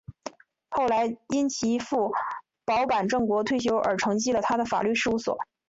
后来因其父保坂正国退休而承继了他的法律事务所。